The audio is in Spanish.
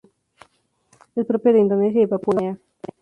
Es propia de Indonesia y Papúa Nueva Guinea.